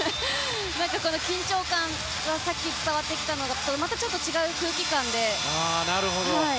緊張感さっき伝わってきたものとはまたちょっと違う空気感で。